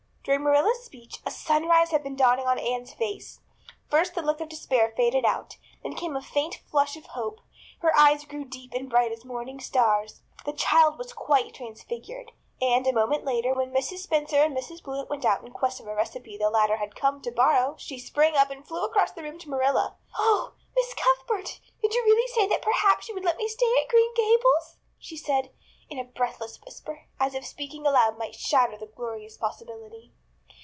During Marilla's speech a sunrise had been dawning on Anne's face. First the look of despair faded out; then came a faint flush of hope; her eyes grew deep and bright as morning stars. The child was quite transfigured; and, a moment later, when Mrs. Spencer and Mrs. Blewett went out in quest of a recipe the latter had come to borrow she sprang up and flew across the room to Marilla. "Oh, Miss Cuthbert, did you really say that perhaps you would let me stay at Green Gables?" she said, in a breathless whisper, as if speaking aloud might shatter the glorious possibility.